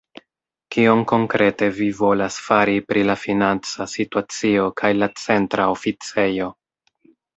Kion konkrete vi volas fari pri la financa situacio kaj la Centra Oficejo?